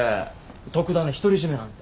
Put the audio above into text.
特ダネ独り占めなんて。